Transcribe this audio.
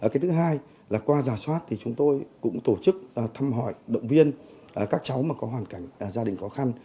cái thứ hai là qua giả soát thì chúng tôi cũng tổ chức thăm hỏi động viên các cháu mà có hoàn cảnh gia đình khó khăn